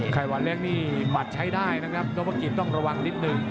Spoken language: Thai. ไข่หวานเล็กนี่บัตรใช้ได้นะครับนพกิจต้องระวังนิดหนึ่ง